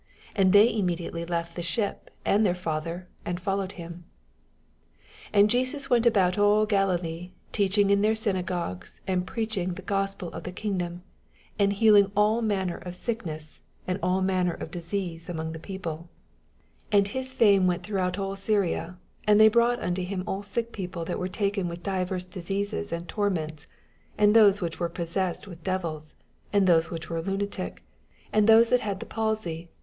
22 And they immediately left th« ship and their &ther, and followed him. 23 And Jesus went about all Gali> lee, teaching in their synagogues, and .«'""' ^dom, neai 1 preaching the Gospel of the kingd and heaJmg ail manner of tueki 28 ICXP0BIT0B7 THOUGHTS. and all mumer of diseaM among the people. 24 And his fiune irent throoghont all S^ria : and they brought onto him all sick people that were taken with divers oiBeases and torments, and those whieh were possessed with dsTils, and those which were Innatic, and those that had the pabj .